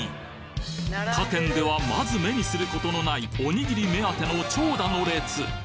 他県ではまず目にする事のないおにぎり目当ての長蛇の列